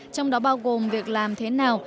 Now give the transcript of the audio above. trong đó bao gồm việc làm thế nào